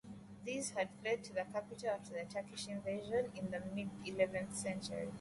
These had fled to the capital after the Turkish invasion in the mid-eleventh century.